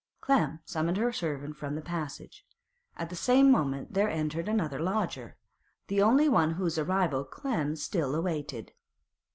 Clem summoned her servant from the passage. At the same moment there entered another lodger, the only one whose arrival Clem still awaited.